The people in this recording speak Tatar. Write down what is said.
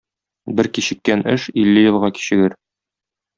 Бер кичеккән эш илле елга кичегер.